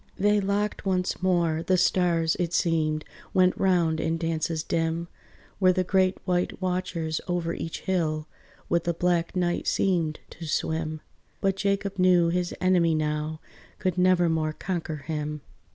They locked once more; the stars, it seemed Went round in dances dim, Where the great white watchers over each hill, With the black night, seemed to swim; But Jacob knew his enemy now, Could nevermore conquer him.